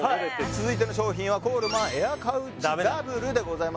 続いての商品はＣｏｌｅｍａｎエアカウチダブルでございます